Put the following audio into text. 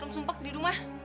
rum sumpah di rumah